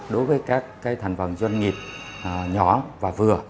đối với các thành phần doanh nghiệp nhỏ và vừa